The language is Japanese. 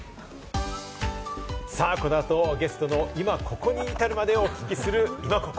この後、ゲストのイマココに至るまでをお聞きするイマココ。